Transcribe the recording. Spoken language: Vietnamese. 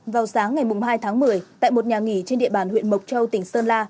vào sáng ngày hai tháng một mươi tại một nhà nghỉ trên địa bàn huyện mộc châu tỉnh sơn la